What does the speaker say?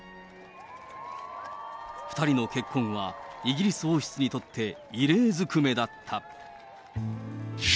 ２人の結婚は、イギリス王室にとって異例ずくめだった。